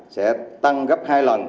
sẽ tăng gấp hai lần